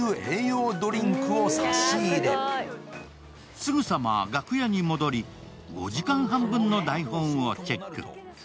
すぐさま楽屋に戻り、５時間半分の台本をチェック。